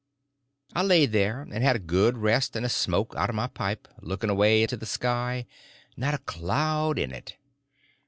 I laid there, and had a good rest and a smoke out of my pipe, looking away into the sky; not a cloud in it.